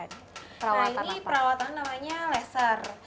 nah ini perawatan namanya laser